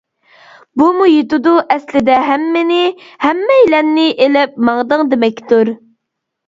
بۇمۇ يېتىدۇ ئەسلىدە ھەممىنى، ھەممەيلەننى ئېلىپ ماڭدىڭ دېمەكتۇر.